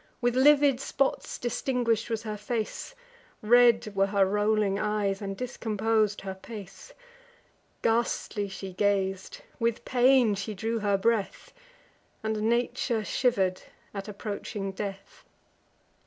With livid spots distinguish'd was her face; Red were her rolling eyes, and discompos'd her pace; Ghastly she gaz'd, with pain she drew her breath, And nature shiver'd at approaching death.